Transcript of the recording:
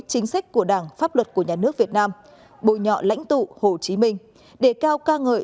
chính sách của đảng pháp luật của nhà nước việt nam bội nhọ lãnh tụ hồ chí minh để cao ca ngợi